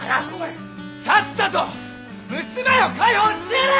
さっさと娘を解放してやれ！